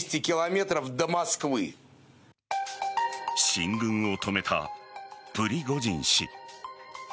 進軍を止めたプリゴジン氏。